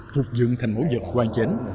phục dựng thành mẫu vật hoàn chến